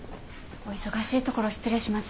お忙しいところ失礼します。